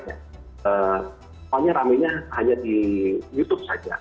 pokoknya rame nya hanya di youtube saja